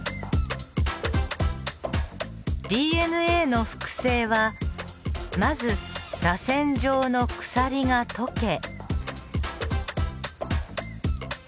ＤＮＡの複製はまずらせん状の鎖が解け。